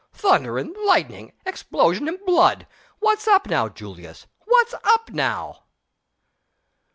"Thunder and lightning! Explosion and blood! What's up now, Julius? What's up now?"